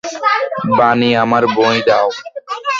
বানি, আমার বই দাও!